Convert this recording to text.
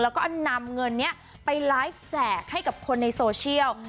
แล้วก็นำเงินนี้ไปไลฟ์แจกให้กับคนในโซเชียล